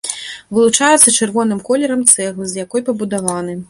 Вылучаецца чырвоным колерам цэглы, з якой пабудаваны.